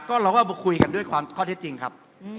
เราก็มาคุยกันด้วยความข้อเท็จจริงครับ